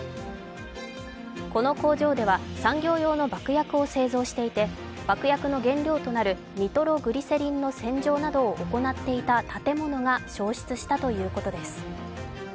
この工場では、産業用の爆薬を製造していて、爆薬の原料となるニトログリセリンの洗浄などを行っていた建物が消失したということです。